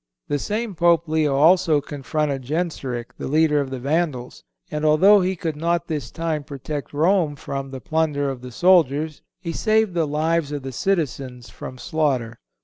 The same Pope Leo also confronted Genseric, the leader of the Vandals; and although he could not this time protect Rome from the plunder of the soldiers he saved the lives of the citizens from slaughter.